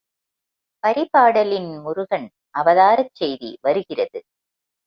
பரிபாடலின் முருகன் அவதாரச் செய்தி வருகிறது.